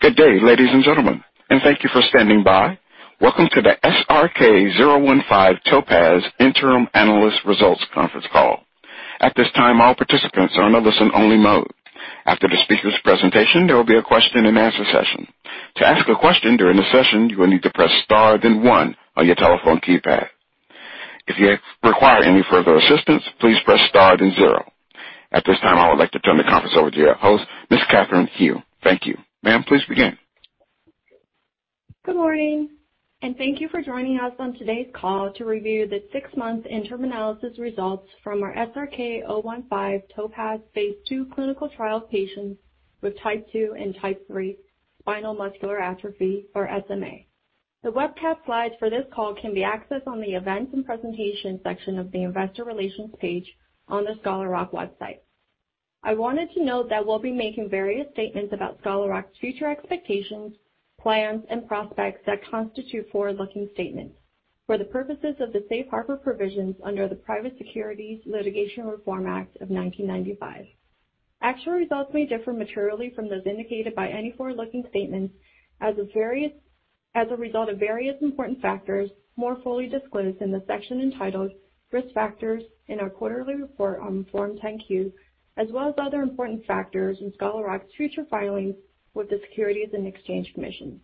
Good day, ladies and gentlemen, and thank you for standing by. Welcome to the SRK-015 TOPAZ Interim Analyst Results Conference Call. At this time, all participants are in a listen-only mode. After the speakers' presentation, there will be a question-and-answer session. To ask a question during the session, you will need to press star then one on your telephone keypad. If you require any further assistance, please press star then zero. At this time, I would like to turn the conference over to your host, Miss Catherine Hu. Thank you. Ma'am, please begin. Good morning, and thank you for joining us on today's call to review the six-month interim analysis results from our SRK-015 TOPAZ phase II clinical trial patients with type 2 and type 3 spinal muscular atrophy, or SMA. The webcast slides for this call can be accessed on the Events and Presentation section of the Investor Relations page on the Scholar Rock website. I wanted to note that we'll be making various statements about Scholar Rock's future expectations, plans, and prospects that constitute forward-looking statements for the purposes of the safe harbor provisions under the Private Securities Litigation Reform Act of 1995. Actual results may differ materially from those indicated by any forward-looking statements as a result of various important factors more fully disclosed in the section entitled Risk Factors in our quarterly report on Form 10-Q, as well as other important factors in Scholar Rock's future filings with the Securities and Exchange Commission.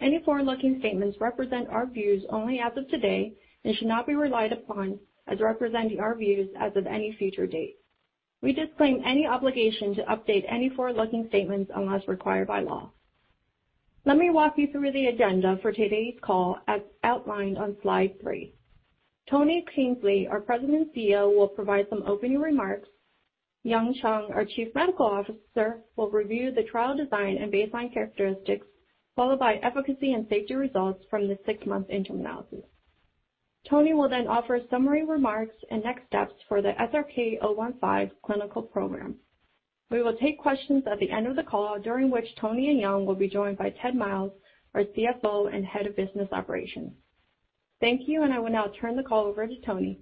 Any forward-looking statements represent our views only as of today and should not be relied upon as representing our views as of any future date. We disclaim any obligation to update any forward-looking statements unless required by law. Let me walk you through the agenda for today's call as outlined on slide three. Tony Kingsley, our President and CEO, will provide some opening remarks. Yung Chyung, our Chief Medical Officer, will review the trial design and baseline characteristics, followed by efficacy and safety results from the six-month interim analysis. Tony will offer summary remarks and next steps for the SRK-015 clinical program. We will take questions at the end of the call, during which Tony and Yung will be joined by Ted Myles, our CFO and Head of Business Operations. Thank you, and I will now turn the call over to Tony.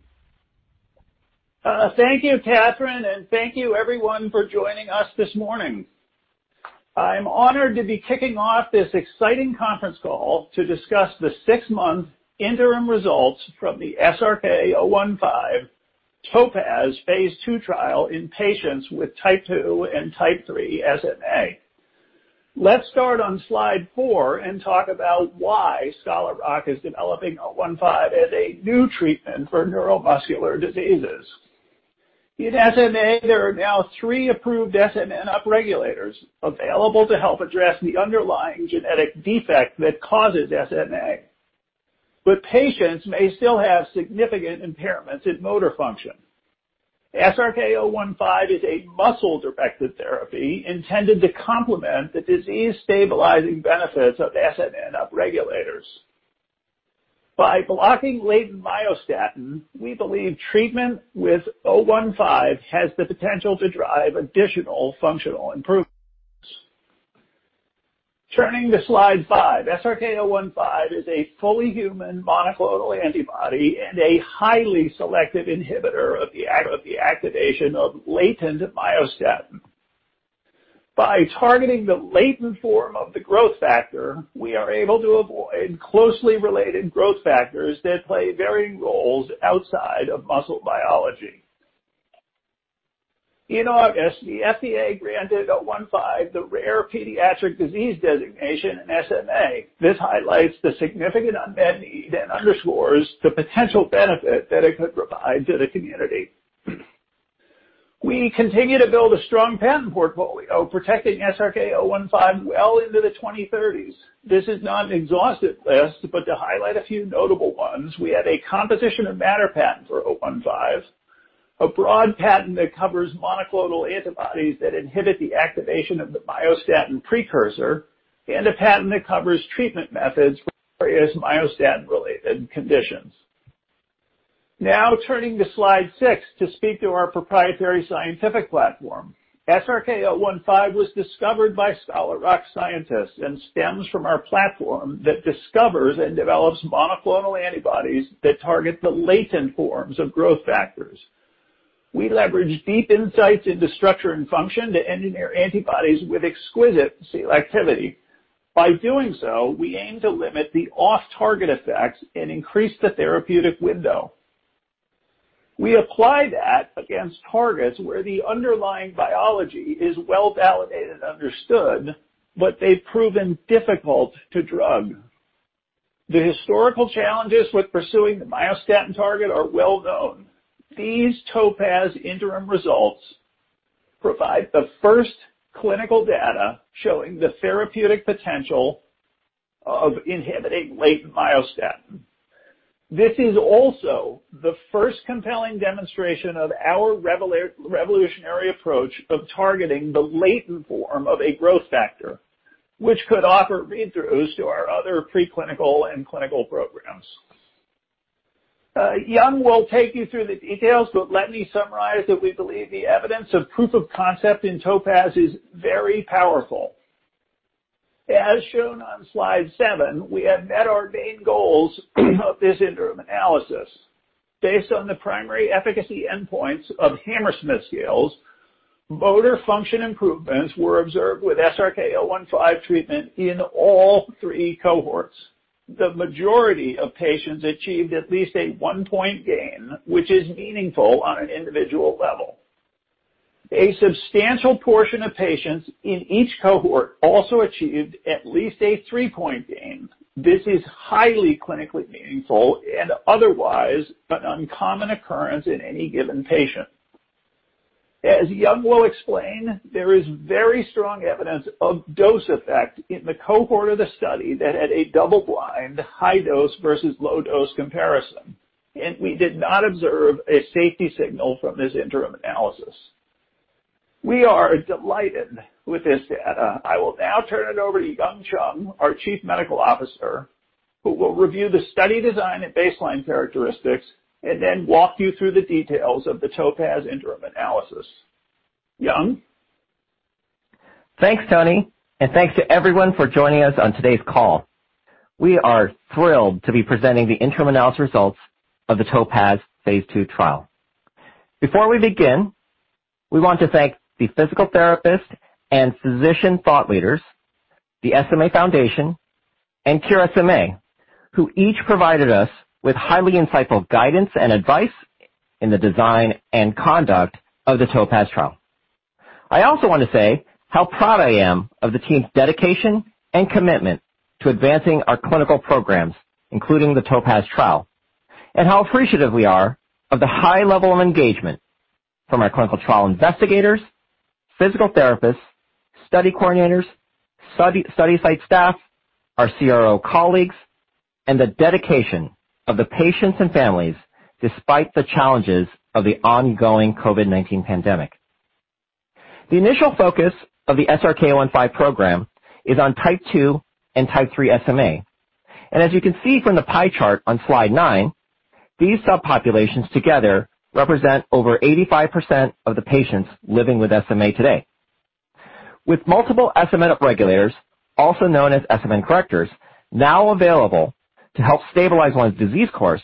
Thank you, Catherine, and thank you everyone for joining us this morning. I'm honored to be kicking off this exciting conference call to discuss the six-month interim results from the SRK-015 TOPAZ phase II trial in patients with type 2 and type 3 SMA. Let's start on slide four and talk about why Scholar Rock is developing 015 as a new treatment for neuromuscular diseases. In SMA, there are now three approved SMN upregulators available to help address the underlying genetic defect that causes SMA. Patients may still have significant impairments in motor function. SRK-015 is a muscle-directed therapy intended to complement the disease-stabilizing benefits of SMN upregulators. By blocking latent myostatin, we believe treatment with 015 has the potential to drive additional functional improvements. Turning to slide five, SRK-015 is a fully human monoclonal antibody and a highly selective inhibitor of the activation of latent myostatin. By targeting the latent form of the growth factor, we are able to avoid closely related growth factors that play varying roles outside of muscle biology. In August, the FDA granted 015 the rare pediatric disease designation in SMA. This highlights the significant unmet need and underscores the potential benefit that it could provide to the community. We continue to build a strong patent portfolio protecting SRK-015 well into the 2030s. This is not an exhaustive list, but to highlight a few notable ones, we have a composition of matter patent for 015, a broad patent that covers monoclonal antibodies that inhibit the activation of the myostatin precursor, and a patent that covers treatment methods for various myostatin-related conditions. Turning to slide six to speak to our proprietary scientific platform. SRK-015 was discovered by Scholar Rock scientists and stems from our platform that discovers and develops monoclonal antibodies that target the latent forms of growth factors. We leverage deep insights into structure and function to engineer antibodies with exquisite selectivity. By doing so, we aim to limit the off-target effects and increase the therapeutic window. We apply that against targets where the underlying biology is well-validated and understood, but they've proven difficult to drug. The historical challenges with pursuing the myostatin target are well known. These TOPAZ interim results provide the first clinical data showing the therapeutic potential of inhibiting latent myostatin. This is also the first compelling demonstration of our revolutionary approach of targeting the latent form of a growth factor, which could offer read-throughs to our other preclinical and clinical programs. Yung will take you through the details, but let me summarize that we believe the evidence of proof of concept in TOPAZ is very powerful. As shown on slide seven, we have met our main goals of this interim analysis. Based on the primary efficacy endpoints of Hammersmith Scales, motor function improvements were observed with SRK-015 treatment in all three cohorts. The majority of patients achieved at least a one-point gain, which is meaningful on an individual level. A substantial portion of patients in each cohort also achieved at least a three-point gain. This is highly clinically meaningful and otherwise an uncommon occurrence in any given patient. As Yung will explain, there is very strong evidence of dose effect in the cohort of the study that had a double-blind, high-dose versus low-dose comparison, and we did not observe a safety signal from this interim analysis. We are delighted with this data. I will now turn it over to Yung Chyung, our Chief Medical Officer, who will review the study design and baseline characteristics and then walk you through the details of the TOPAZ interim analysis. Yung? Thanks, Tony, thanks to everyone for joining us on today's call. We are thrilled to be presenting the interim analysis results of the TOPAZ Phase II trial. Before we begin, we want to thank the physical therapist and physician thought leaders, the SMA Foundation, and Cure SMA, who each provided us with highly insightful guidance and advice in the design and conduct of the TOPAZ trial. I also want to say how proud I am of the team's dedication and commitment to advancing our clinical programs, including the TOPAZ trial, and how appreciative we are of the high level of engagement from our clinical trial investigators, physical therapists, study coordinators, study site staff, our CRO colleagues, and the dedication of the patients and families, despite the challenges of the ongoing COVID-19 pandemic. The initial focus of the SRK-015 program is on Type 2 and Type 3 SMA, and as you can see from the pie chart on slide nine, these subpopulations together represent over 85% of the patients living with SMA today. With multiple SMN upregulators, also known as SMN correctors, now available to help stabilize one's disease course,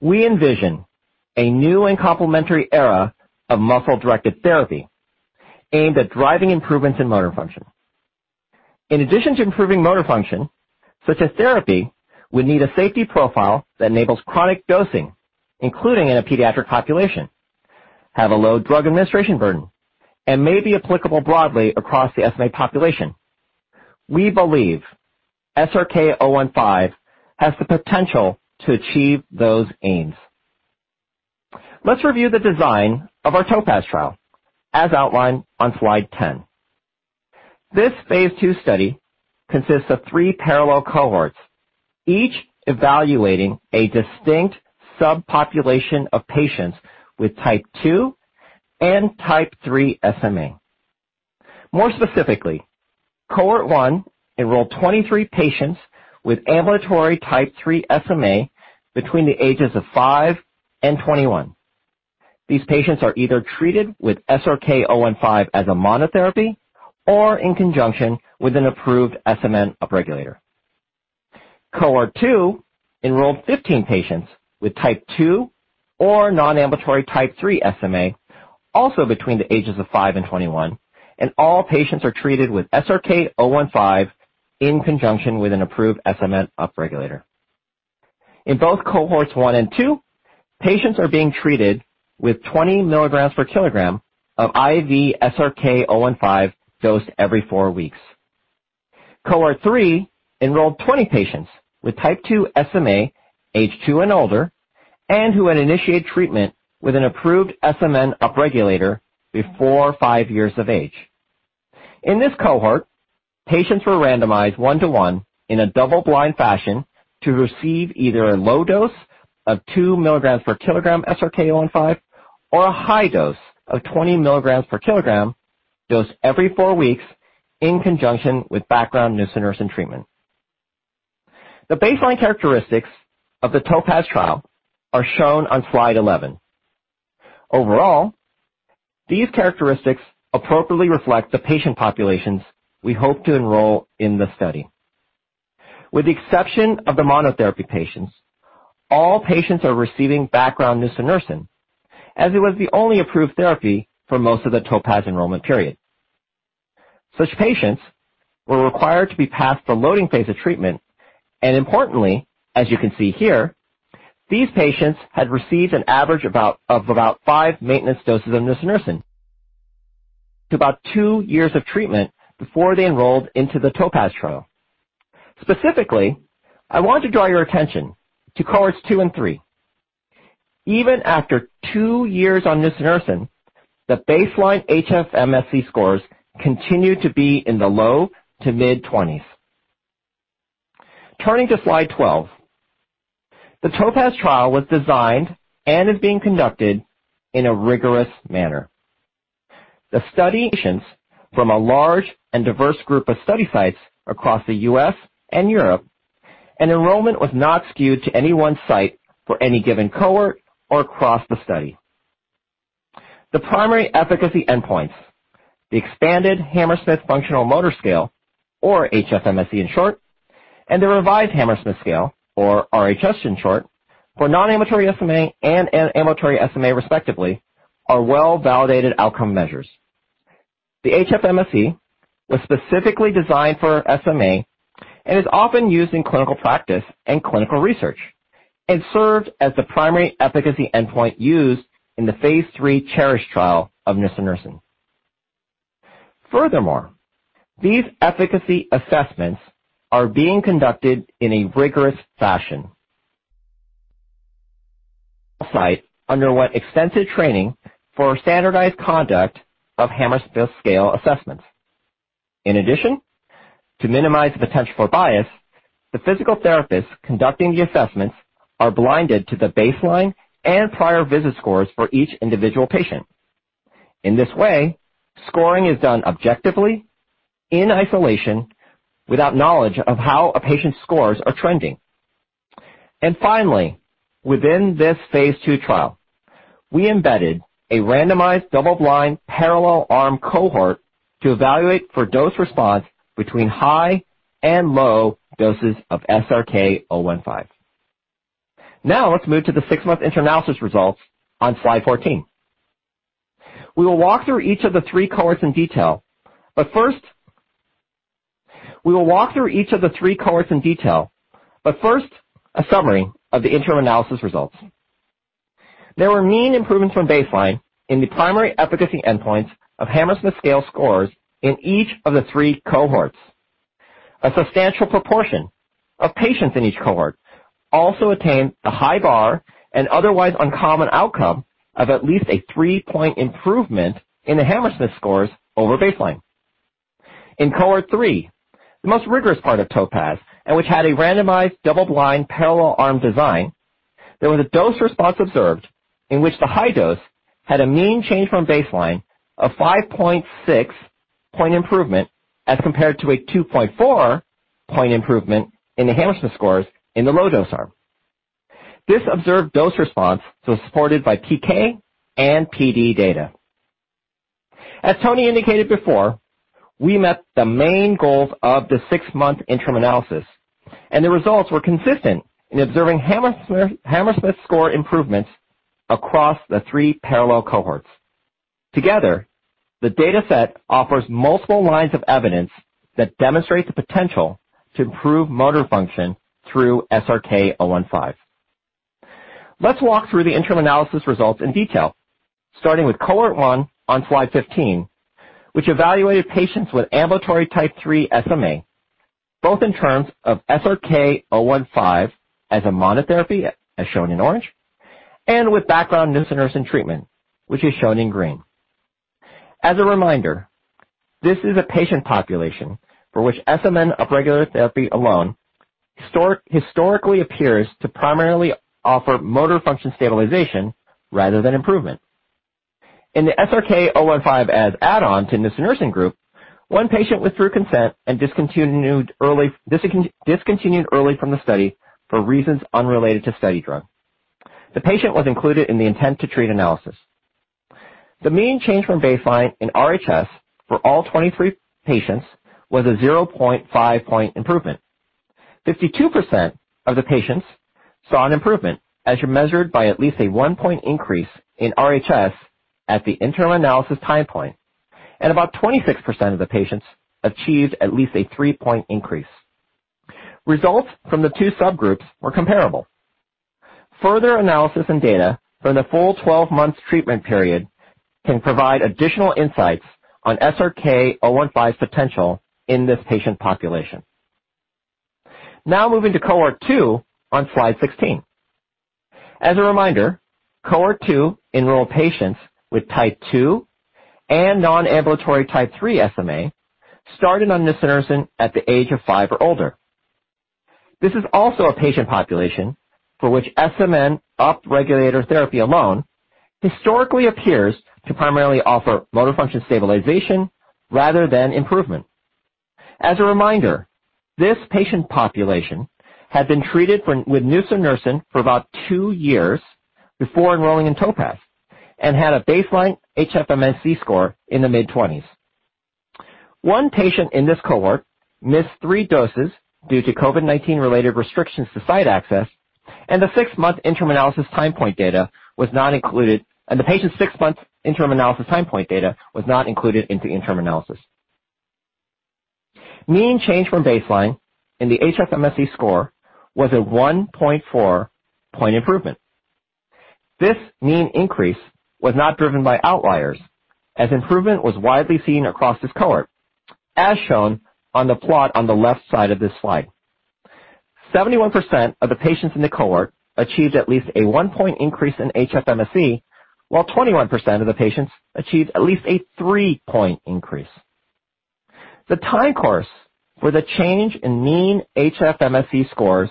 we envision a new and complementary era of muscle-directed therapy aimed at driving improvements in motor function. In addition to improving motor function, such a therapy would need a safety profile that enables chronic dosing, including in a pediatric population, have a low drug administration burden, and may be applicable broadly across the SMA population. We believe SRK-015 has the potential to achieve those aims. Let's review the design of our TOPAZ trial, as outlined on slide 10. This Phase II study consists of three parallel cohorts, each evaluating a distinct subpopulation of patients with Type II and Type III SMA. More specifically, cohort 1 enrolled 23 patients with ambulatory Type III SMA between the ages of five and 21. These patients are either treated with SRK-015 as a monotherapy or in conjunction with an approved SMN upregulator. Cohort 2 enrolled 15 patients with Type II or non-ambulatory Type III SMA, also between the ages of 5 and 21, and all patients are treated with SRK-015 in conjunction with an approved SMN upregulator. In both cohorts 1 and 2, patients are being treated with 20 mg/kg of IV SRK-015 dosed every four weeks. Cohort 3 enrolled 20 patients with Type II SMA age two and older and who had initiated treatment with an approved SMN upregulator before five years of age. In this cohort, patients were randomized one to one in a double-blind fashion to receive either a low dose of 2 mg/ kg SRK-015 or a high dose of 20 mg/kg dosed every four weeks in conjunction with background nusinersen treatment. The baseline characteristics of the TOPAZ trial are shown on slide 11. Overall, these characteristics appropriately reflect the patient populations we hope to enroll in the study. With the exception of the monotherapy patients, all patients are receiving background nusinersen, as it was the only approved therapy for most of the TOPAZ enrollment period. Such patients were required to be past the loading phase of treatment, and importantly, as you can see here, these patients had received an average of about five maintenance doses of nusinersen to about two years of treatment before they enrolled into the TOPAZ trial. Specifically, I want to draw your attention to cohorts 2 and 3. Even after two years on nusinersen, the baseline HFMSE scores continued to be in the low to mid-twenties. Turning to slide 12. The TOPAZ trial was designed and is being conducted in a rigorous manner. The study patients from a large and diverse group of study sites across the U.S. and Europe, and enrollment was not skewed to any one site for any given cohort or across the study. The primary efficacy endpoints, the Hammersmith Functional Motor Scale Expanded, or HFMSE in short, and the Revised Hammersmith Scale, or RHS in short, for non-ambulatory SMA and ambulatory SMA respectively, are well-validated outcome measures. The HFMSE was specifically designed for SMA and is often used in clinical practice and clinical research and served as the primary efficacy endpoint used in the phase III CHERISH trial of nusinersen. These efficacy assessments are being conducted in a rigorous fashion. Site underwent extensive training for standardized conduct of Hammersmith Scale assessments. To minimize the potential for bias, the physical therapists conducting the assessments are blinded to the baseline and prior visit scores for each individual patient. In this way, scoring is done objectively, in isolation, without knowledge of how a patient's scores are trending. Finally, within this phase II trial, we embedded a randomized, double-blind, parallel arm cohort to evaluate for dose response between high and low doses of SRK-015. Let's move to the six-month interim analysis results on slide 14. We will walk through each of the three cohorts in detail. First, a summary of the interim analysis results. There were mean improvements from baseline in the primary efficacy endpoints of Hammersmith Scale scores in each of the three cohorts. A substantial proportion of patients in each cohort also attained the high bar and otherwise uncommon outcome of at least a three-point improvement in the Hammersmith scores over baseline. In cohort 3, the most rigorous part of TOPAZ, which had a randomized, double-blind, parallel arm design, there was a dose response observed in which the high dose had a mean change from baseline of 5.6 point improvement as compared to a 2.4 point improvement in the Hammersmith scores in the low-dose arm. This observed dose response was supported by PK and PD data. As Tony indicated before, we met the main goals of the six-month interim analysis, the results were consistent in observing Hammersmith score improvements across the three parallel cohorts. Together, the data set offers multiple lines of evidence that demonstrate the potential to improve motor function through SRK-015. Let's walk through the interim analysis results in detail, starting with cohort 1 on slide 15, which evaluated patients with ambulatory type 3 SMA, both in terms of SRK-015 as a monotherapy, as shown in orange, and with background nusinersen treatment, which is shown in green. As a reminder, this is a patient population for which SMN upregulator therapy alone historically appears to primarily offer motor function stabilization rather than improvement. In the SRK-015 as add-on to nusinersen group, one patient withdrew consent and discontinued early from the study for reasons unrelated to study drug. The patient was included in the intent to treat analysis. The mean change from baseline in RHS for all 23 patients was a 0.5 point improvement. 52% of the patients saw an improvement, as measured by at least a one-point increase in RHS at the interim analysis time point, and about 26% of the patients achieved at least a three-point increase. Results from the two subgroups were comparable. Further analysis and data from the full 12 months treatment period can provide additional insights on SRK-015's potential in this patient population. Now moving to cohort 2 on slide 16. As a reminder, cohort 2 enrolled patients with type 2 and non-ambulatory type 3 SMA started on nusinersen at the age of five or older. This is also a patient population for which SMN upregulator therapy alone historically appears to primarily offer motor function stabilization rather than improvement. As a reminder, this patient population had been treated with nusinersen for about two years before enrolling in TOPAZ and had a baseline HFMSE score in the mid-twenties. One patient in this cohort missed three doses due to COVID-19-related restrictions to site access, and the six-month interim analysis time point data was not included, and the patient's six-month interim analysis time point data was not included into interim analysis. Mean change from baseline in the HFMSE score was a 1.4 point improvement. This mean increase was not driven by outliers, as improvement was widely seen across this cohort, as shown on the plot on the left side of this slide. 71% of the patients in the cohort achieved at least a one-point increase in HFMSE, while 21% of the patients achieved at least a three-point increase. The time course for the change in mean HFMSE scores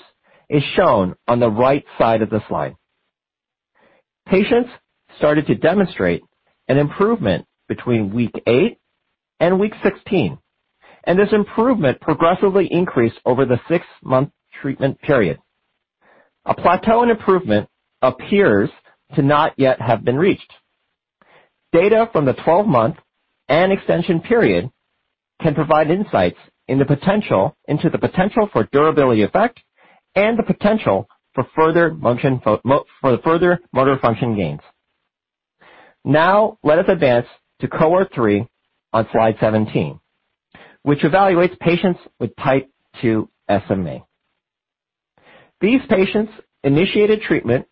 is shown on the right side of the slide. Patients started to demonstrate an improvement between week eight and week 16, This improvement progressively increased over the six-month treatment period. A plateau in improvement appears to not yet have been reached. Data from the 12-month and extension period can provide insights into the potential for durability effect and the potential for further motor function gains. Let us advance to Cohort 3 on Slide 17, which evaluates patients with Type 2 SMA. These patients initiated treatment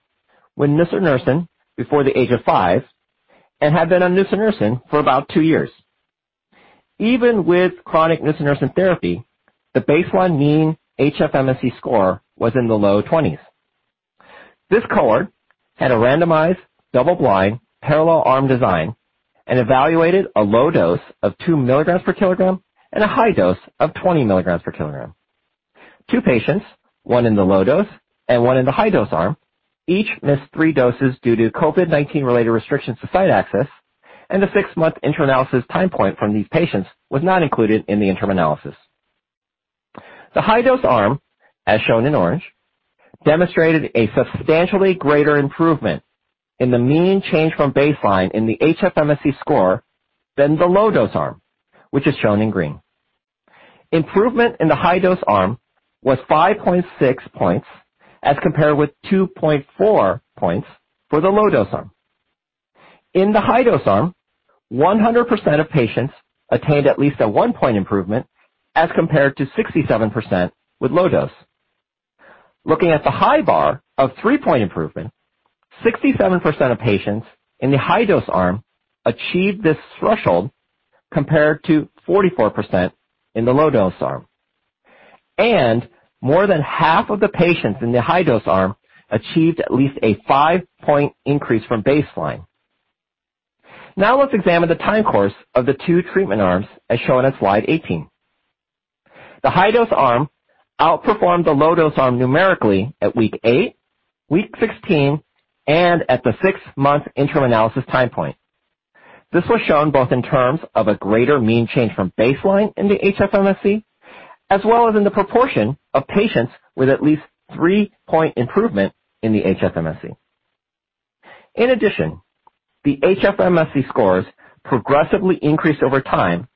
with nusinersen before the age of five and had been on nusinersen for about two years. Even with chronic nusinersen therapy, the baseline mean HFMSE score was in the low 20s. This cohort had a randomized, double-blind, parallel arm design and evaluated a low dose of 2 mg/kg and a high dose of 20 mg/kg. Two patients, one in the low dose and one in the high dose arm, each missed 3 doses due to COVID-19-related restrictions to site access, and the 6-month interim analysis time point from these patients was not included in the interim analysis. The high-dose arm, as shown in orange, demonstrated a substantially greater improvement in the mean change from baseline in the HFMSE score than the low-dose arm, which is shown in green. Improvement in the high-dose arm was 5.6 points as compared with 2.4 points for the low-dose arm. In the high-dose arm, 100% of patients attained at least a 1-point improvement as compared to 67% with low dose. Looking at the high bar of three-point improvement, 67% of patients in the high-dose arm achieved this threshold compared to 44% in the low-dose arm. More than half of the patients in the high-dose arm achieved at least a five-point increase from baseline. Now let's examine the time course of the two treatment arms, as shown on Slide 18. The high-dose arm outperformed the low-dose arm numerically at week eight, week 16, and at the six-month interim analysis time point. This was shown both in terms of a greater mean change from baseline in the HFMSE, as well as in the proportion of patients with at least three-point improvement in the HFMSE. In addition, the HFMSE scores progressively increased over time,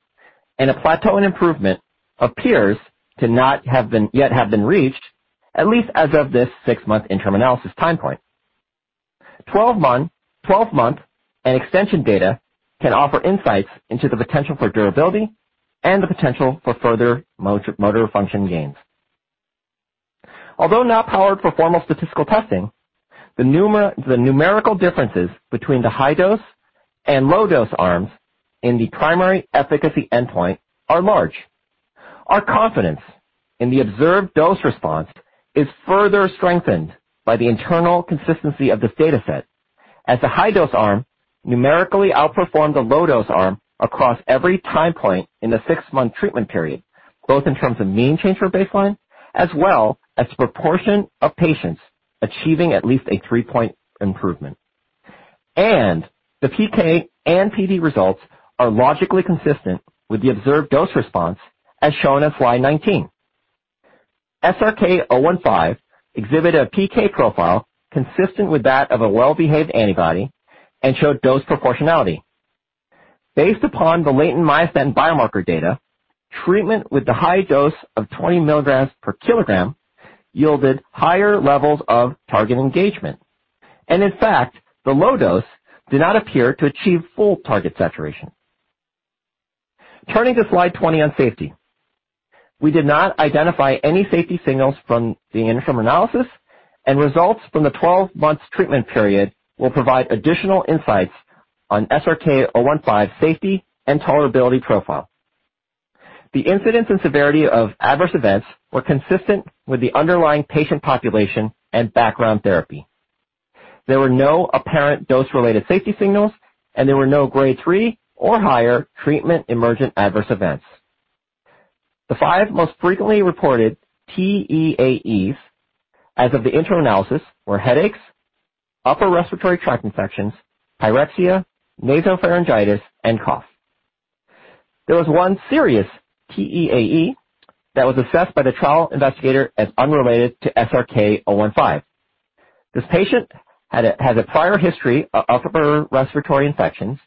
and a plateau in improvement appears to not yet have been reached, at least as of this six-month interim analysis time point. 12-month and extension data can offer insights into the potential for durability and the potential for further motor function gains. Although not powered for formal statistical testing, the numerical differences between the high-dose and low-dose arms in the primary efficacy endpoint are large. Our confidence in the observed dose response is further strengthened by the internal consistency of this data set, as the high-dose arm numerically outperformed the low-dose arm across every time point in the six-month treatment period, both in terms of mean change for baseline, as well as proportion of patients achieving at least a three-point improvement. The PK and PD results are logically consistent with the observed dose response, as shown on Slide 19. SRK-015 exhibited a PK profile consistent with that of a well-behaved antibody and showed dose proportionality. Based upon the latent myostatin biomarker data, treatment with the high dose of 20 mg/kg yielded higher levels of target engagement. In fact, the low dose did not appear to achieve full target saturation. Turning to Slide 20 on safety. We did not identify any safety signals from the interim analysis, and results from the 12-month treatment period will provide additional insights on SRK-015 safety and tolerability profile. The incidence and severity of adverse events were consistent with the underlying patient population and background therapy. There were no apparent dose-related safety signals, and there were no Grade 3 or higher treatment emergent adverse events. The five most frequently reported TEAEs as of the interim analysis were headaches, upper respiratory tract infections, pyrexia, nasopharyngitis, and cough. There was one serious TEAE that was assessed by the trial investigator as unrelated to SRK-015. This patient had a prior history of upper respiratory infections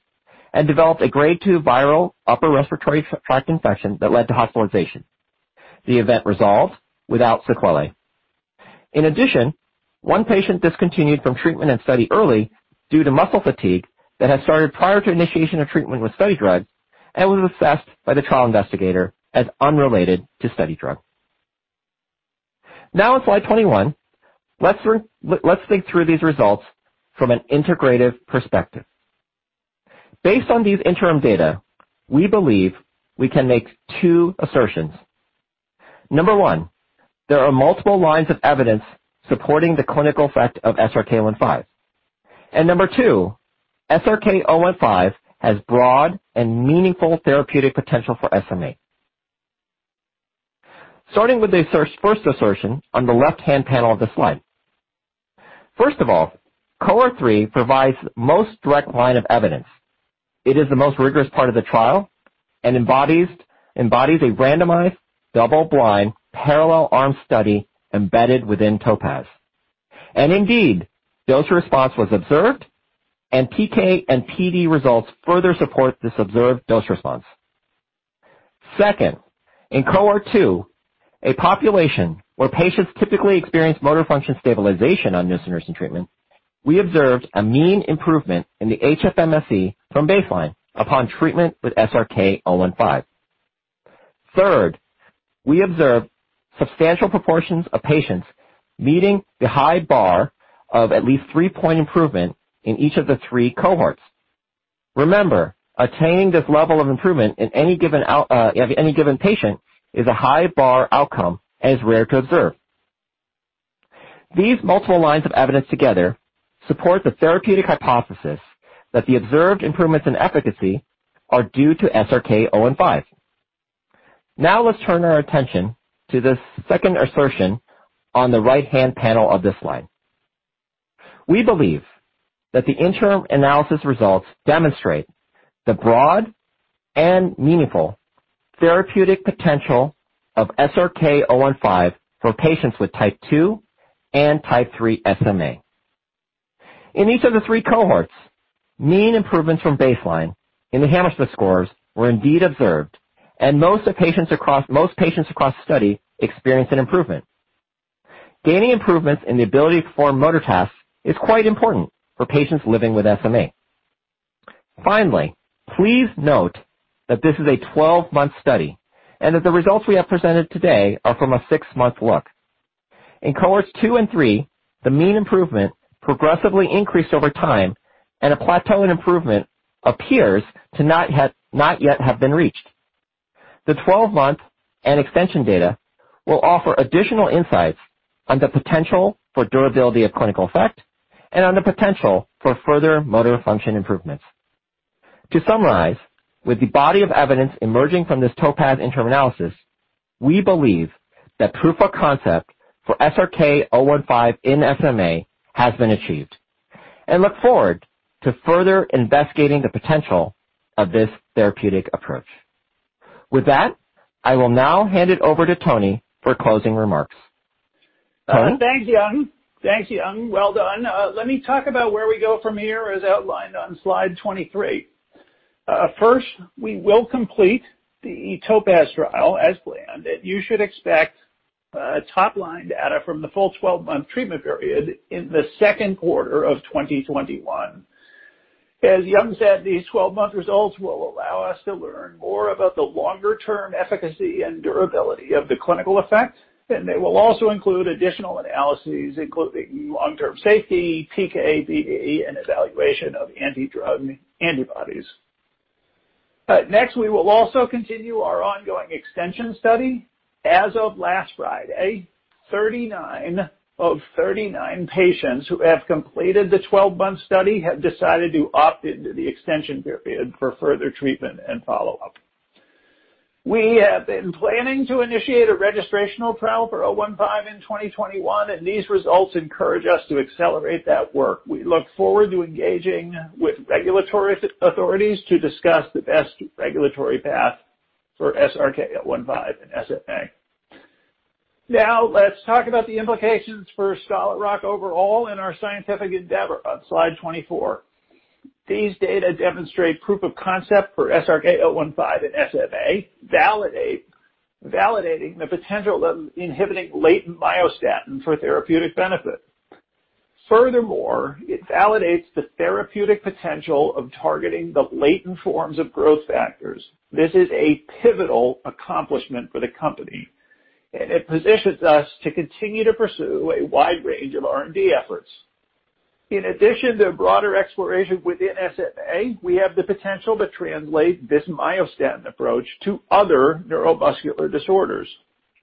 and developed a Grade 2 viral upper respiratory tract infection that led to hospitalization. The event resolved without sequelae. In addition, one patient discontinued from treatment and study early due to muscle fatigue that had started prior to initiation of treatment with study drugs and was assessed by the trial investigator as unrelated to study drug. Now on Slide 21, let's think through these results from an integrative perspective. Based on these interim data, we believe we can make two assertions. Number one, there are multiple lines of evidence supporting the clinical effect of SRK-015. Number two, SRK-015 has broad and meaningful therapeutic potential for SMA. Starting with the first assertion on the left-hand panel of the slide. First of all, Cohort 3 provides the most direct line of evidence. It is the most rigorous part of the trial and embodies a randomized, double-blind, parallel arm study embedded within TOPAZ. Indeed, dose response was observed, and PK and PD results further support this observed dose response. Second, in Cohort 2, a population where patients typically experience motor function stabilization on nusinersen treatment, we observed a mean improvement in the HFMSE from baseline upon treatment with SRK-015. Third, we observed substantial proportions of patients meeting the high bar of at least three-point improvement in each of the three cohorts. Remember, attaining this level of improvement in any given patient is a high bar outcome and is rare to observe. These multiple lines of evidence together support the therapeutic hypothesis that the observed improvements in efficacy are due to SRK-015. Now let's turn our attention to this second assertion on the right-hand panel of this slide. We believe that the interim analysis results demonstrate the broad and meaningful therapeutic potential of SRK-015 for patients with Type 2 and Type 3 SMA. In each of the three cohorts, mean improvements from baseline in the Hammersmith scores were indeed observed, and most patients across the study experienced an improvement. Gaining improvements in the ability to perform motor tasks is quite important for patients living with SMA. Finally, please note that this is a 12-month study and that the results we have presented today are from a six-month look. In Cohorts 2 and 3, the mean improvement progressively increased over time, and a plateau in improvement appears to not yet have been reached. The 12-month and extension data will offer additional insights on the potential for durability of clinical effect and on the potential for further motor function improvements. To summarize, with the body of evidence emerging from this TOPAZ interim analysis, we believe that proof of concept for SRK-015 in SMA has been achieved and look forward to further investigating the potential of this therapeutic approach. With that, I will now hand it over to Tony for closing remarks. Tony? Thanks, Yung. Well done. Let me talk about where we go from here as outlined on Slide 23. First, we will complete the TOPAZ trial as planned, and you should expect top-line data from the full 12-month treatment period in the second quarter of 2021. As Yung said, these 12-month results will allow us to learn more about the longer-term efficacy and durability of the clinical effect, and they will also include additional analyses including long-term safety, PK/PD, and evaluation of anti-drug antibodies. We will also continue our ongoing extension study. As of last Friday, 39 of 39 patients who have completed the 12-month study have decided to opt into the extension period for further treatment and follow-up. We have been planning to initiate a registrational trial for 015 in 2021, and these results encourage us to accelerate that work. We look forward to engaging with regulatory authorities to discuss the best regulatory path for SRK-015 in SMA. Now, let's talk about the implications for Scholar Rock overall and our scientific endeavor on Slide 24. These data demonstrate proof of concept for SRK-015 in SMA, validating the potential of inhibiting latent myostatin for therapeutic benefit. Furthermore, it validates the therapeutic potential of targeting the latent forms of growth factors. This is a pivotal accomplishment for the company, and it positions us to continue to pursue a wide range of R&D efforts. In addition to broader exploration within SMA, we have the potential to translate this myostatin approach to other neuromuscular disorders.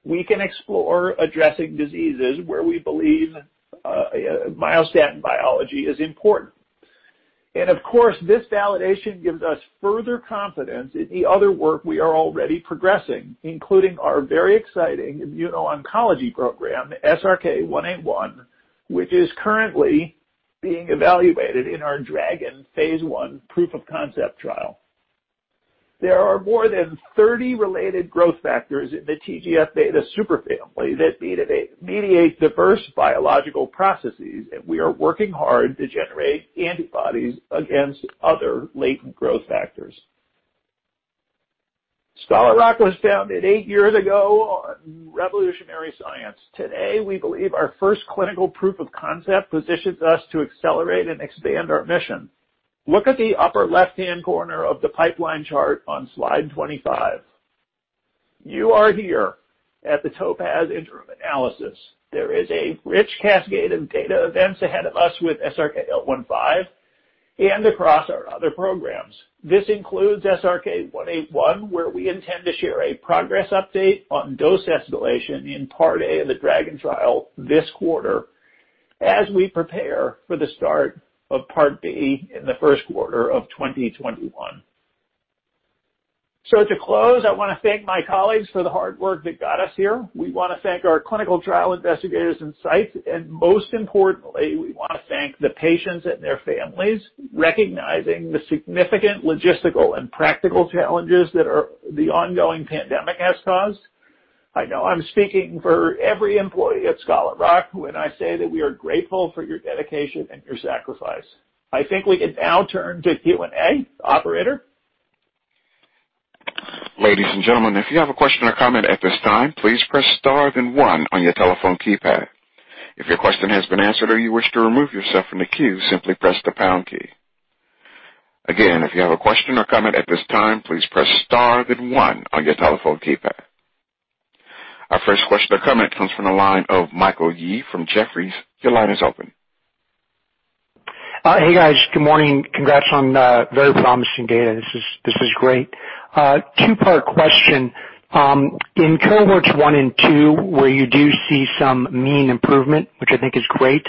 We can explore addressing diseases where we believe myostatin biology is important. Of course, this validation gives us further confidence in the other work we are already progressing, including our very exciting immuno-oncology program, SRK-181, which is currently being evaluated in our DRAGON Phase I proof-of-concept trial. There are more than 30 related growth factors in the TGF-beta superfamily that mediate diverse biological processes, and we are working hard to generate antibodies against other latent growth factors. Scholar Rock was founded eight years ago on revolutionary science. Today, we believe our first clinical proof of concept positions us to accelerate and expand our mission. Look at the upper left-hand corner of the pipeline chart on Slide 25. You are here at the TOPAZ interim analysis. There is a rich cascade of data events ahead of us with SRK-015 and across our other programs. This includes SRK-181, where we intend to share a progress update on dose escalation in Part A of the DRAGON trial this quarter as we prepare for the start of Part B in the first quarter of 2021. To close, I want to thank my colleagues for the hard work that got us here. We want to thank our clinical trial investigators and sites. Most importantly, we want to thank the patients and their families, recognizing the significant logistical and practical challenges that the ongoing pandemic has caused. I know I'm speaking for every employee at Scholar Rock when I say that we are grateful for your dedication and your sacrifice. I think we can now turn to Q&A. Operator? Ladies and gentlemen, if you have a question or comment at this time, please press star then one on your telephone keypad. If your question has been answered or you wish to remove yourself from the queue, simply press the pound key. Again, if you have a question or comment at this time, please press star then one on your telephone keypad. Our first question or comment comes from the line of Michael Yee from Jefferies. Your line is open. Hey, guys. Good morning. Congrats on the very promising data. This is great. Two-part question. In cohorts 1 and 2, where you do see some mean improvement, which I think is great,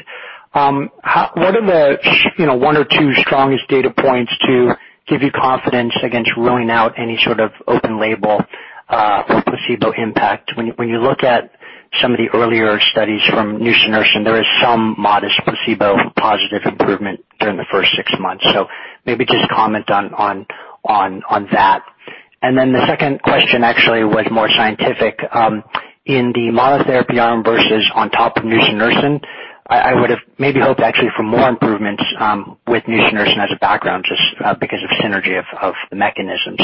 what are the one or two strongest data points to give you confidence against ruling out any sort of open label or placebo impact? When you look at some of the earlier studies from nusinersen, there is some modest placebo positive improvement during the first six months. Maybe just comment on that. The second question actually was more scientific. In the monotherapy arm versus on top of nusinersen, I would have maybe hoped actually for more improvements with nusinersen as a background, just because of synergy of the mechanism.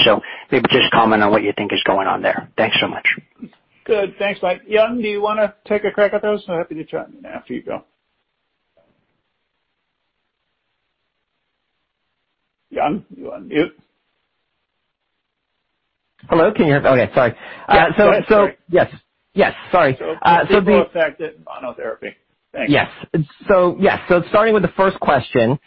Maybe just comment on what you think is going on there. Thanks so much. Good. Thanks, Mike. Yung, do you want to take a crack at those? I'm happy to chime in after you go. Yung, you on mute. Hello, can you hear me? Okay. Sorry. Yeah. Go ahead. Sorry. Yes. Sorry. Placebo effect and monotherapy. Thanks. Yes. Starting with the first question.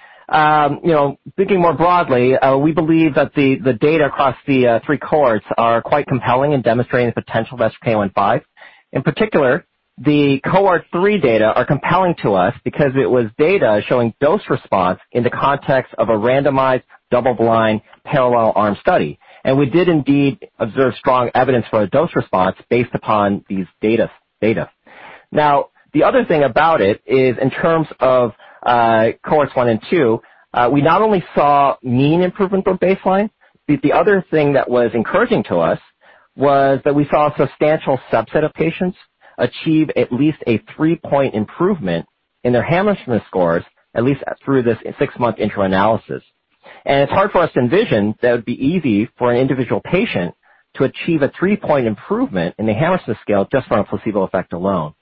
Thinking more broadly, we believe that the data across the 3 cohorts are quite compelling in demonstrating the potential of SRK-015. In particular, the cohort 3 data are compelling to us because it was data showing dose response in the context of a randomized double-blind parallel arm study. We did indeed observe strong evidence for a dose response based upon these data. The other thing about it is in terms of cohorts 1 and 2, we not only saw mean improvement from baseline, but the other thing that was encouraging to us was that we saw a substantial subset of patients achieve at least a 3-point improvement in their Hammersmith scores, at least through this six-month interim analysis. It's hard for us to envision that it would be easy for an individual patient to achieve a three-point improvement in the Hammersmith Scale just from a placebo effect alone.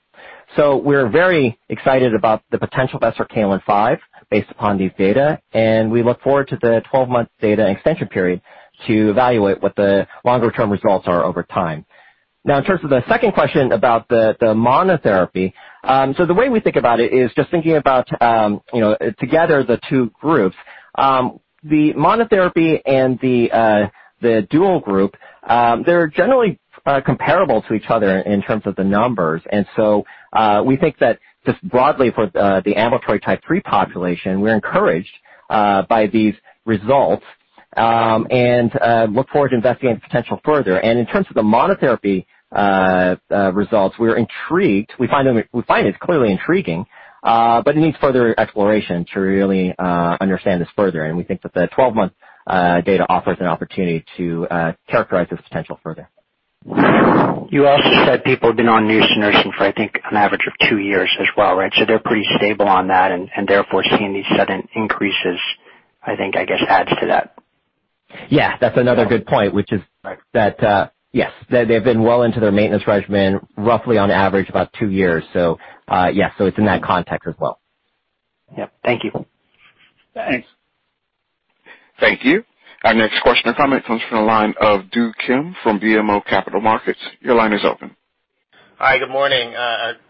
We're very excited about the potential of SRK-015 based upon these data, and we look forward to the 12-month data extension period to evaluate what the longer-term results are over time. Now, in terms of the second question about the monotherapy. The way we think about it is just thinking about together the two groups. The monotherapy and the dual group, they're generally comparable to each other in terms of the numbers. We think that just broadly for the ambulatory type 3 population, we're encouraged by these results and look forward to investigating the potential further. In terms of the monotherapy results, we're intrigued. We find it's clearly intriguing, but it needs further exploration to really understand this further, and we think that the 12-month data offers an opportunity to characterize this potential further. You also said people have been on nusinersen for, I think, an average of two years as well, right? They're pretty stable on that, and therefore, seeing these sudden increases, I think, I guess, adds to that. Yeah. That's another good point, which is that, yes. They've been well into their maintenance regimen, roughly on average about two years. Yeah. It's in that context as well. Yep. Thank you. Thanks. Thank you. Our next question or comment comes from the line of Do Kim from BMO Capital Markets. Your line is open. Hi. Good morning.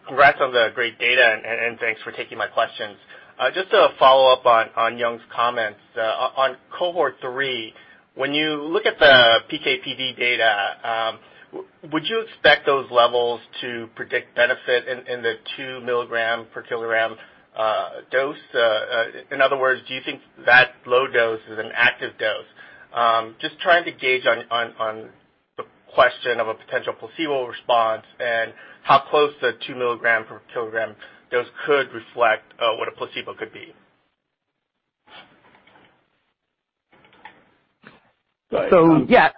Congrats on the great data, thanks for taking my questions. Just to follow up on Yung's comments. On cohort 3, when you look at the PK/PD data, would you expect those levels to predict benefit in the 2 mg/kg dose? In other words, do you think that low dose is an active dose? Just trying to gauge on the question of a potential placebo response and how close the two mg/kg dose could reflect what a placebo could be. Go ahead. Yeah.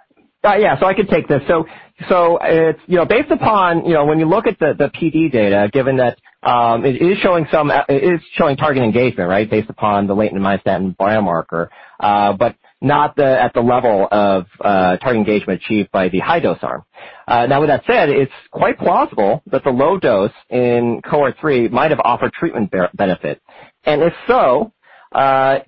I can take this. Based upon when you look at the PD data, given that it is showing target engagement, right, based upon the latent myostatin biomarker. Not at the level of target engagement achieved by the high-dose arm. Now with that said, it's quite plausible that the low dose in cohort 3 might have offered treatment benefit. If so, if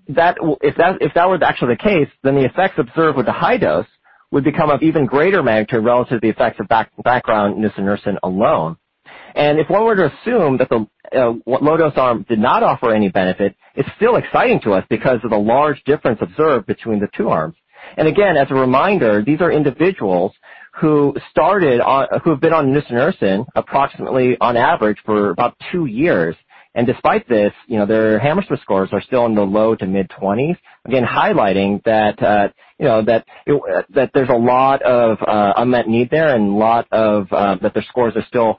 that was actually the case, then the effects observed with the high dose would become of even greater magnitude relative to the effects of background nusinersen alone. If one were to assume that the low-dose arm did not offer any benefit, it's still exciting to us because of the large difference observed between the two arms. Again, as a reminder, these are individuals who have been on nusinersen approximately on average for about two years. Despite this, their Hammersmith scores are still in the low to mid-20s, again, highlighting that there's a lot of unmet need there and that their scores are still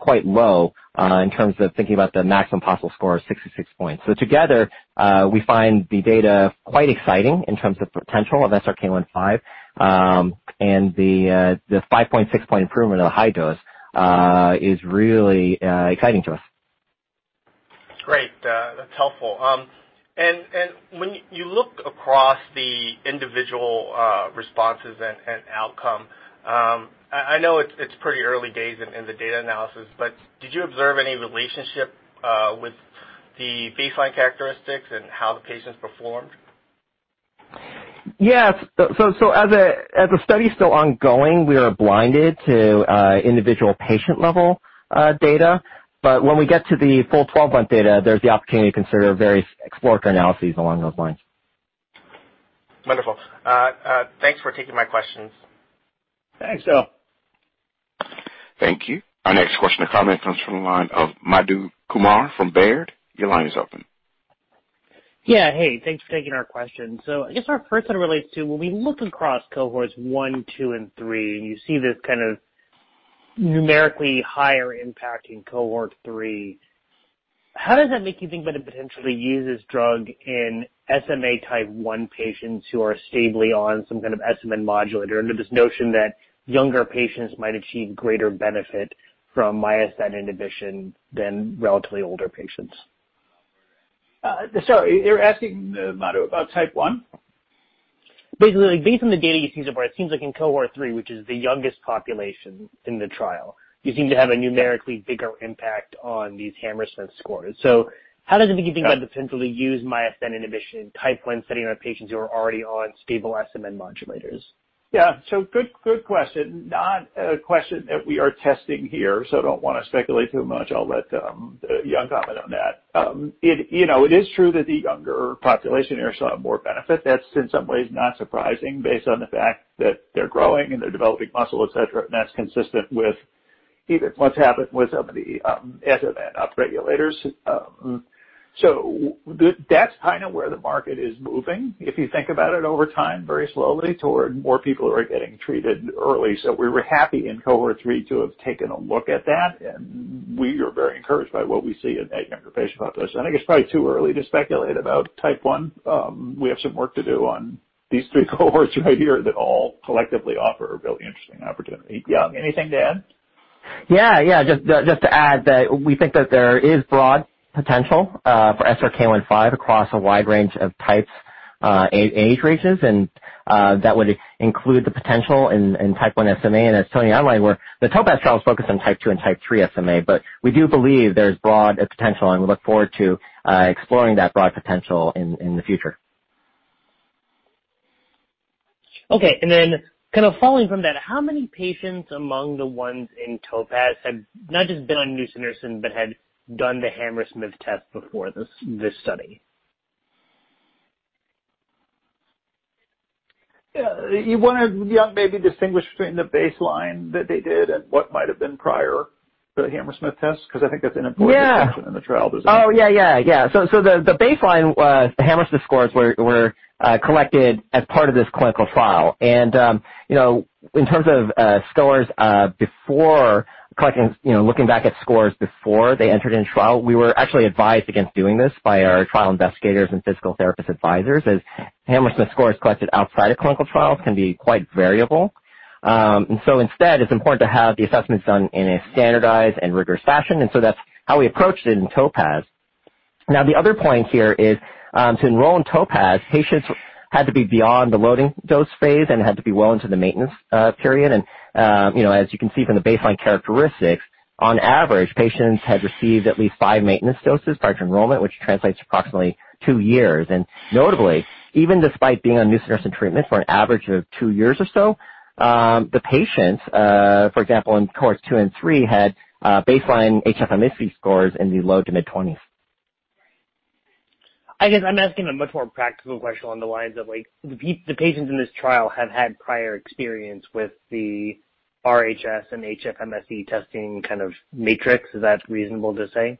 quite low in terms of thinking about the maximum possible score of 66 points. Together, we find the data quite exciting in terms of potential of SRK-015. The 5.6-point improvement of the high dose is really exciting to us. Great. That's helpful. When you look across the individual responses and outcome, I know it's pretty early days in the data analysis, but did you observe any relationship with the baseline characteristics and how the patients performed? Yes. As the study's still ongoing, we are blinded to individual patient-level data. When we get to the full 12-month data, there's the opportunity to consider various exploratory analyses along those lines. Wonderful. Thanks for taking my questions. Thanks, Do. Thank you. Our next question and comment comes from the line of Madhu Kumar from Baird. Your line is open. Yeah. Hey, thanks for taking our question. I guess our first one relates to when we look across cohorts 1, 2, and 3, and you see this kind of numerically higher impact in cohort 3, how does that make you think about to potentially use this drug in SMA type 1 patients who are stably on some kind of SMN modulator under this notion that younger patients might achieve greater benefit from myostatin inhibition than relatively older patients? You're asking, Madhu, about type 1? Basically, based on the data you've seen so far, it seems like in cohort 3, which is the youngest population in the trial, you seem to have a numerically bigger impact on these Hammersmith scores. How does it make you think about potentially use myostatin inhibition in type 1 setting on patients who are already on stable SMN modulators? Yeah. Good question. Not a question that we are testing here, so don't want to speculate too much. I'll let Yung comment on that. It is true that the younger population here saw more benefit. That's in some ways not surprising based on the fact that they're growing and they're developing muscle, et cetera, and that's consistent with even what's happened with some of the SMN upregulators. That's kind of where the market is moving, if you think about it over time, very slowly toward more people who are getting treated early. We were happy in cohort 3 to have taken a look at that, and we are very encouraged by what we see in that younger patient population. I think it's probably too early to speculate about type 1. We have some work to do on these three cohorts right here that all collectively offer a really interesting opportunity. Yung, anything to add? Yeah. Just to add that we think that there is broad potential for SRK-015 across a wide range of types, age ranges, and that would include the potential in type 1 SMA. As Tony outlined, where the TOPAZ trial is focused on type 2 and type 3 SMA, but we do believe there's broad potential, and we look forward to exploring that broad potential in the future. Okay, kind of following from that, how many patients among the ones in TOPAZ have not just been on nusinersen, but had done the Hammersmith test before this study? You want to, Yung, maybe distinguish between the baseline that they did and what might've been prior to the Hammersmith Scale? Because I think that's an important- Yeah. Distinction in the trial design. Oh, yeah. The baseline Hammersmith scores were collected as part of this clinical trial. In terms of scores before collecting, looking back at scores before they entered in trial, we were actually advised against doing this by our trial investigators and physical therapist advisors, as Hammersmith scores collected outside of clinical trials can be quite variable. Instead, it's important to have the assessments done in a standardized and rigorous fashion, and so that's how we approached it in TOPAZ. Now, the other point here is, to enroll in TOPAZ, patients had to be beyond the loading dose phase and had to be well into the maintenance period. As you can see from the baseline characteristics, on average, patients had received at least five maintenance doses prior to enrollment, which translates to approximately two years. Notably, even despite being on nusinersen treatment for an average of two years or so, the patients, for example, in cohorts 2 and 3, had baseline HFMSE scores in the low to mid-20s. I guess I'm asking a much more practical question along the lines of, the patients in this trial have had prior experience with the RHS and HFMSE testing kind of matrix. Is that reasonable to say?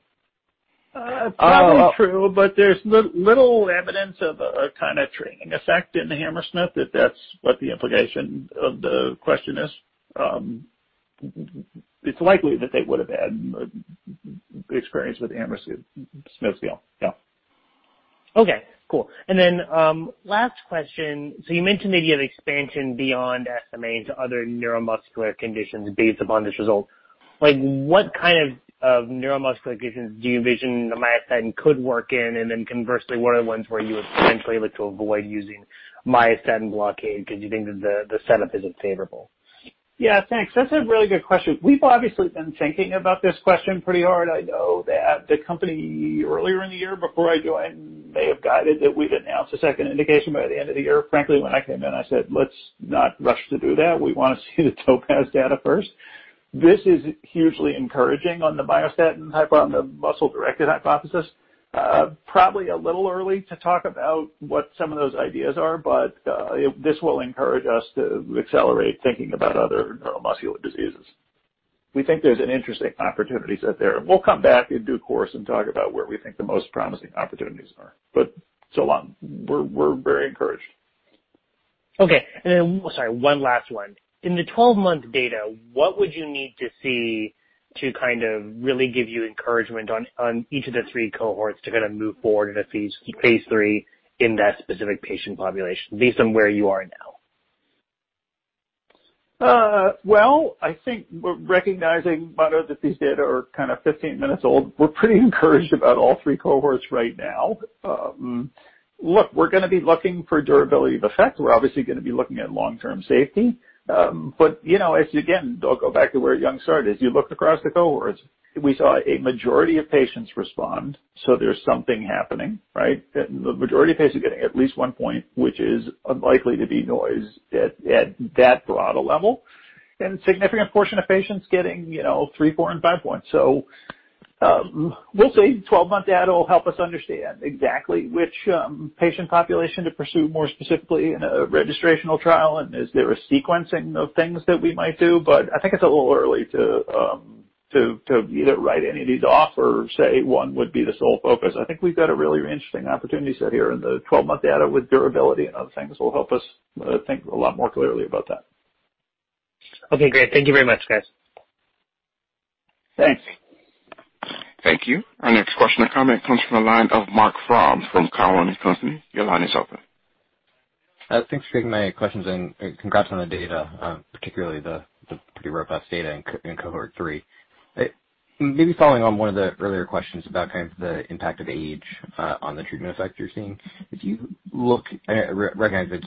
It's probably true, but there's little evidence of a kind of training effect in the Hammersmith Scale, if that's what the implication of the question is. It's likely that they would have had experience with Hammersmith Scale. Yeah. Okay, cool. Last question. You mentioned maybe an expansion beyond SMA into other neuromuscular conditions based upon this result. What kind of neuromuscular conditions do you envision the myostatin could work in? Conversely, what are the ones where you would potentially look to avoid using myostatin blockade because you think that the setup isn't favorable? Yeah, thanks. That's a really good question. We've obviously been thinking about this question pretty hard. I know that the company, earlier in the year before I joined, may have guided that we'd announce a second indication by the end of the year. When I came in, I said, "Let's not rush to do that. We want to see the TOPAZ data first." This is hugely encouraging on the myostatin type, on the muscle-directed hypothesis. A little early to talk about what some of those ideas are, but this will encourage us to accelerate thinking about other neuromuscular diseases. We think there's an interesting opportunity set there, and we'll come back in due course and talk about where we think the most promising opportunities are. So long, we're very encouraged. Okay. Sorry, one last one. In the 12-month data, what would you need to see to really give you encouragement on each of the three cohorts to move forward in a phase III in that specific patient population, based on where you are now? Well, I think we're recognizing, Madhu, that these data are 15 minutes old. We're pretty encouraged about all three cohorts right now. Look, we're going to be looking for durability of effect. We're obviously going to be looking at long-term safety. As you, again, I'll go back to where Yung started. As you looked across the cohorts, we saw a majority of patients respond, there's something happening, right? The majority of patients are getting at least one point, which is unlikely to be noise at that broad a level, and a significant portion of patients getting three, four, and five points. We'll see. 12-month data will help us understand exactly which patient population to pursue more specifically in a registrational trial, and is there a sequencing of things that we might do. I think it's a little early to either write any of these off or say one would be the sole focus. I think we've got a really interesting opportunity set here, and the 12-month data with durability and other things will help us think a lot more clearly about that. Okay, great. Thank you very much, guys. Thanks. Thank you. Our next question or comment comes from the line of Marc Frahm from Cowen and Company. Your line is open. Thanks for taking my questions, and congrats on the data, particularly the pretty robust data in Cohort 3. Maybe following on one of the earlier questions about the impact of age on the treatment effect you're seeing. I recognize it's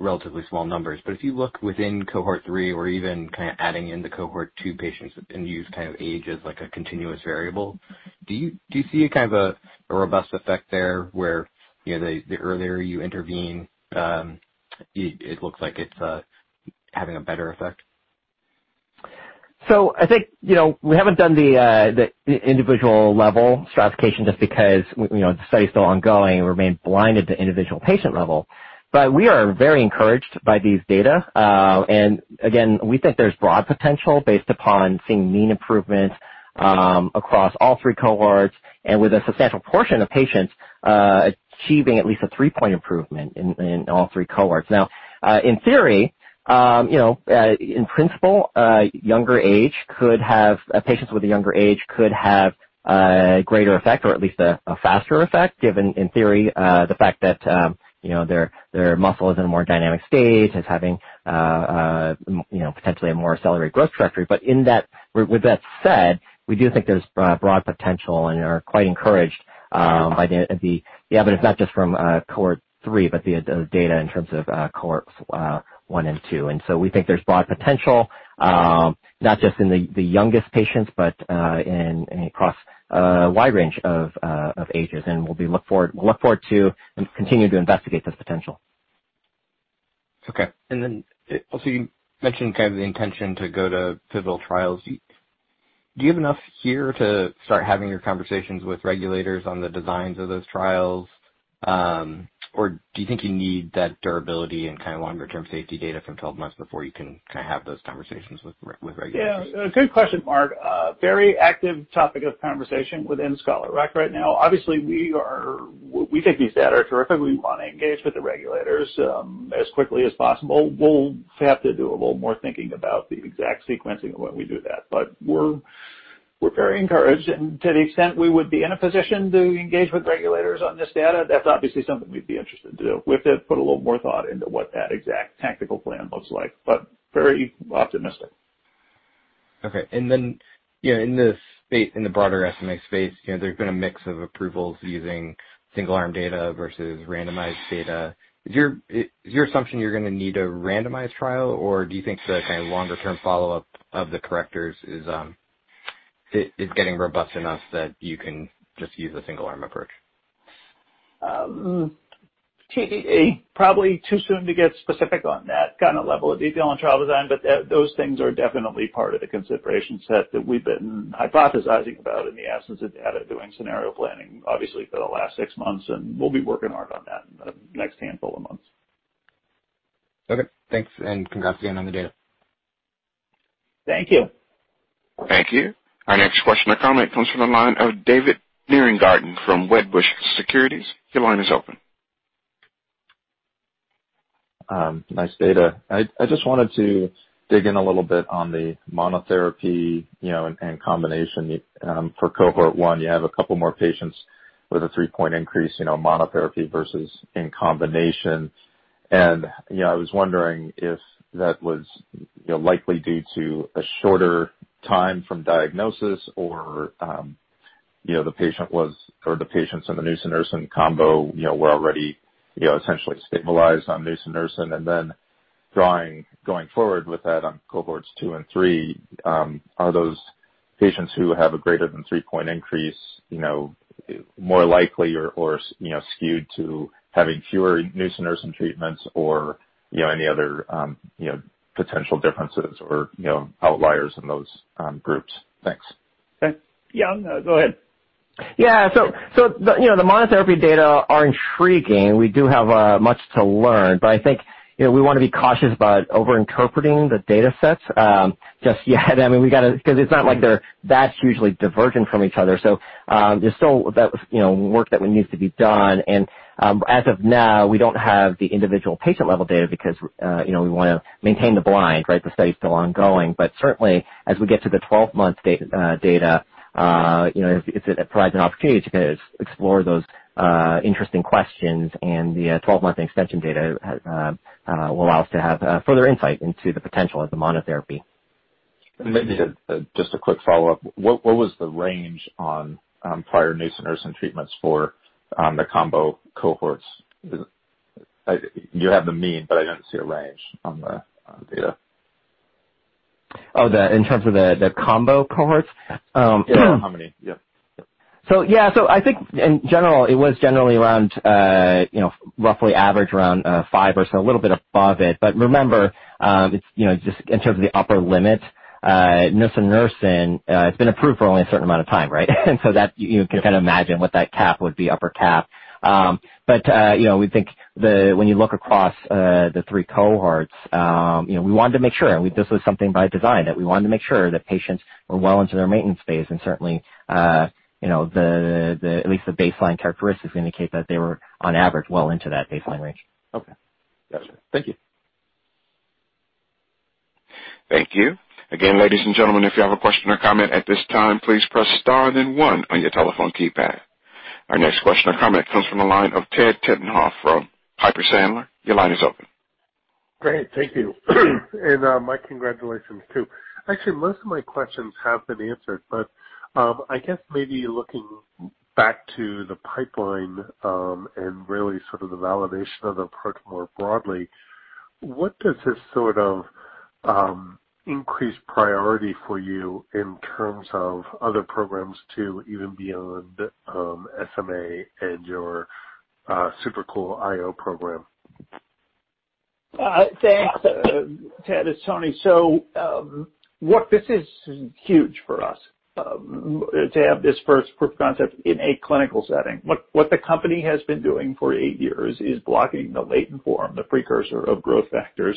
relatively small numbers, but if you look within Cohort 3 or even adding in the Cohort 2 patients and use age as a continuous variable, do you see a robust effect there, where the earlier you intervene, it looks like it's having a better effect? I think, we haven't done the individual-level stratification just because the study is still ongoing and remain blinded to individual patient level. We are very encouraged by these data. Again, we think there's broad potential based upon seeing mean improvement across all three cohorts and with a substantial portion of patients achieving at least a three-point improvement in all three cohorts. Now, in theory, in principle, patients with a younger age could have a greater effect or at least a faster effect, given, in theory, the fact that their muscle is in a more dynamic state, is having potentially a more accelerated growth trajectory. With that said, we do think there's broad potential and are quite encouraged. Yeah, but it's not just from Cohort 3, but the data in terms of Cohorts 1 and 2. We think there's broad potential, not just in the youngest patients, but across a wide range of ages. We'll look forward to and continue to investigate this potential. Okay. Also, you mentioned the intention to go to pivotal trials. Do you have enough here to start having your conversations with regulators on the designs of those trials? Or do you think you need that durability and longer-term safety data from 12 months before you can have those conversations with regulators? Yeah. Good question, Marc. Very active topic of conversation within Scholar Rock right now. Obviously, we think these data are terrific. We want to engage with the regulators as quickly as possible. We'll have to do a little more thinking about the exact sequencing of when we do that. We're very encouraged, and to the extent we would be in a position to engage with regulators on this data, that's obviously something we'd be interested to do. We have to put a little more thought into what that exact tactical plan looks like. Very optimistic. Okay. In the broader SMA space, there's been a mix of approvals using single-arm data versus randomized data. Is your assumption you're going to need a randomized trial, or do you think the longer-term follow-up of the correctors is getting robust enough that you can just use a single-arm approach? Probably too soon to get specific on that kind of level of detail on trial design, but those things are definitely part of the consideration set that we've been hypothesizing about in the absence of data, doing scenario planning, obviously, for the last six months, and we'll be working hard on that in the next handful of months. Okay, thanks, and congrats again on the data. Thank you. Thank you. Our next question or comment comes from the line of David Nierengarten from Wedbush Securities. Your line is open. Nice data. I just wanted to dig in a little bit on the monotherapy and combination. For Cohort 1, you have a couple more patients with a 3-point increase, monotherapy versus in combination. I was wondering if that was likely due to a shorter time from diagnosis or the patients in the nusinersen combo were already essentially stabilized on nusinersen. Then going forward with that on Cohorts 2 and 3, are those patients who have a greater than 3-point increase more likely or skewed to having fewer nusinersen treatments or any other potential differences or outliers in those groups? Thanks. Yeah. No, go ahead. The monotherapy data are intriguing. We do have much to learn, but I think we want to be cautious about over-interpreting the data sets. Just yet, because it's not like they're that hugely divergent from each other. There's still work that needs to be done. As of now, we don't have the individual patient-level data because we want to maintain the blind, right? The study is still ongoing, but certainly, as we get to the 12-month data, it provides an opportunity to explore those interesting questions. The 12-month extension data will allow us to have further insight into the potential of the monotherapy. Maybe just a quick follow-up. What was the range on prior nusinersen treatments for the combo cohorts? You have the mean, but I didn't see a range on the data. Oh, in terms of the combo cohorts? Yeah. How many? Yeah. Yeah. I think in general, it was generally around roughly average around five or so, a little bit above it. Remember, just in terms of the upper limit, nusinersen has been approved for only a certain amount of time, right. You can imagine what that cap would be, upper cap. We think when you look across the three cohorts, we wanted to make sure, and this was something by design, that we wanted to make sure that patients were well into their maintenance phase and certainly at least the baseline characteristics indicate that they were, on average, well into that baseline range. Okay. Gotcha. Thank you. Thank you. Ladies and gentlemen. Our next question or comment comes from the line of Ted Tenthoff from Piper Sandler. Great. Thank you. My congratulations, too. Actually, most of my questions have been answered, but I guess maybe looking back to the pipeline, and really sort of the validation of the approach more broadly, what does this sort of increase priority for you in terms of other programs too even beyond SMA and your super cool IO program? Thanks, Ted. It's Tony. Look, this is huge for us to have this first proof of concept in a clinical setting. What the company has been doing for eight years is blocking the latent form, the precursor of growth factors,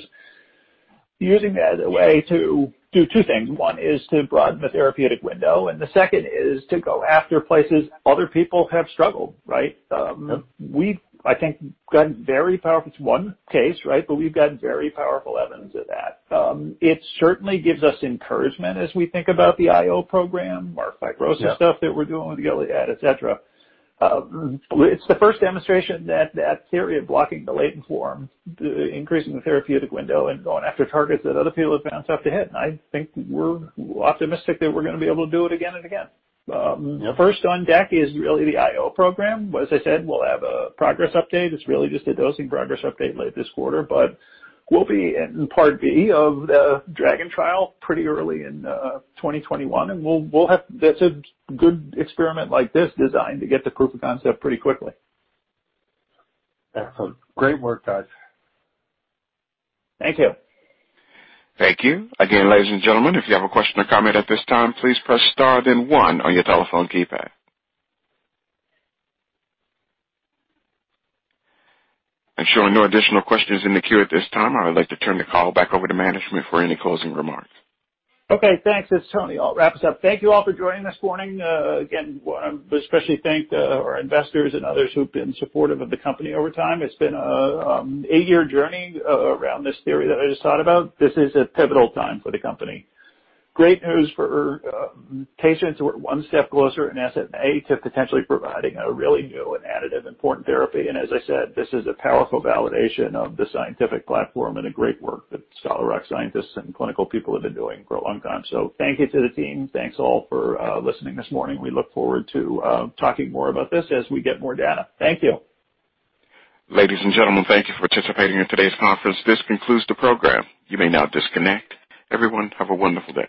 using that as a way to do two things. One is to broaden the therapeutic window, and the second is to go after places other people have struggled, right? We've, I think, gotten very powerful. It's one case, right, but we've gotten very powerful evidence of that. It certainly gives us encouragement as we think about the IO program, our fibrosis stuff that we're doing with Gilead, et cetera. It's the first demonstration that that theory of blocking the latent form, increasing the therapeutic window and going after targets that other people have bounced off the head. I think we're optimistic that we're going to be able to do it again and again. First on deck is really the IO program. As I said, we'll have a progress update. It's really just a dosing progress update late this quarter, but we'll be in Part B of the DRAGON trial pretty early in 2021. That's a good experiment like this designed to get the proof of concept pretty quickly. Excellent. Great work, guys. Thank you. Thank you. Again, ladies and gentlemen, if you have a question or comment at this time, please press star then one on your telephone keypad. I'm showing no additional questions in the queue at this time. I would like to turn the call back over to management for any closing remarks. Okay. Thanks. It's Tony. I'll wrap us up. Thank you all for joining this morning. Again, I want to especially thank our investors and others who've been supportive of the company over time. It's been an eight-year journey around this theory that I just talked about. This is a pivotal time for the company. Great news for patients who are one step closer in SMA to potentially providing a really new and additive important therapy. As I said, this is a powerful validation of the scientific platform and the great work that Scholar Rock scientists and clinical people have been doing for a long time. Thank you to the team. Thanks, all, for listening this morning. We look forward to talking more about this as we get more data. Thank you. Ladies and gentlemen, thank you for participating in today's conference. This concludes the program. You may now disconnect. Everyone, have a wonderful day.